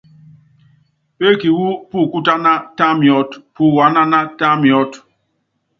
Péeki wú pukútáná, tá miɔ́t, puwaánáná, tá miɔ́t.